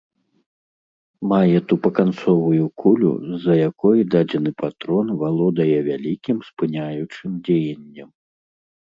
Мае тупаканцовую кулю, з-за якой дадзены патрон валодае вялікім спыняючым дзеяннем.